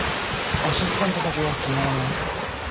アシスタント先が決まらない？